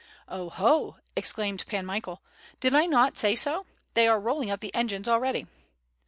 "Oh, ho!" exclaimed Pan Michael, "did I not say so? They are rolling up the engines already."